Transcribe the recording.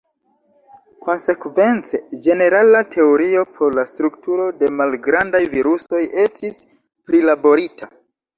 Konsekvence, ĝenerala teorio por la strukturo de malgrandaj virusoj estis prilaborita.